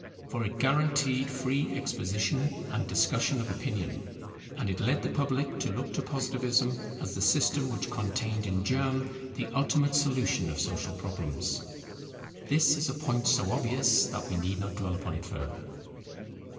For it guaranteed free exposition and discussion of opinion: and it led the public to look to Positivism as the system which contained in germ the ultimate solution of social problems. This is a point so obvious that we need not dwell upon it further.